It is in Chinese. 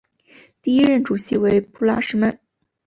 第一任主席为布拉什曼。